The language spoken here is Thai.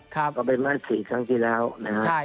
ก็เป็นมา๔ครั้งที่แล้วนะครับ